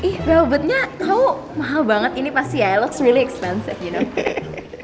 ih robotnya kau mahal banget ini pasti ya looks really expensive you know